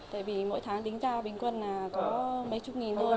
tại vì mỗi tháng đính ra bình quân là có mấy chục nghìn thôi